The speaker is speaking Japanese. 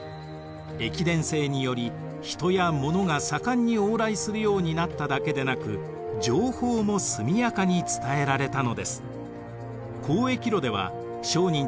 駅伝制により人やものが盛んに往来するようになっただけでなく情報も速やかに伝えられたのです。